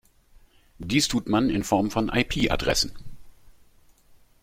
Dies tut man in Form von IP-Adressen.